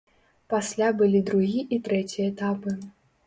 Пасля былі другі і трэці этапы.